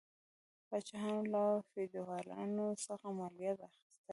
پاچاهانو له فیوډالانو څخه مالیات اخیستل.